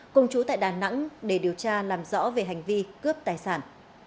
cùng chú tại đà nẵng để điều tra làm rõ về hành vi cướp tài sản